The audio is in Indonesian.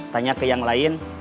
tanya ke yang lain